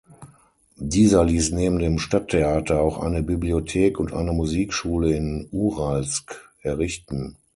Dieser ließ neben dem Stadttheater auch eine Bibliothek und eine Musikschule in Uralsk errichten.